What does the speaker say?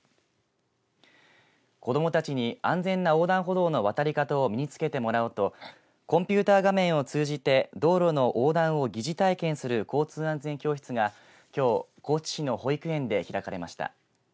子どもたちに安全な横断歩道の渡り方を身につけてもらおうとコンピューター画面を通じて道路の横断を疑似体験する交通安全教室がきょう、高知市の保育園で開かれました。